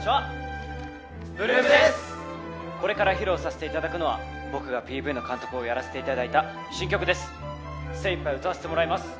これから披露させていただくのは僕がＰＶの監督をやらせていただいた新曲ですせいいっぱい歌わせてもらいます